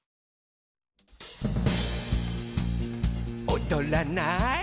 「おどらない？」